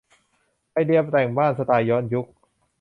ไอเดียแต่งบ้านสไตล์ย้อนยุค